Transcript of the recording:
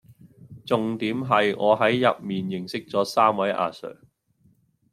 重點係我係入面認識咗三位阿 sir⠀⠀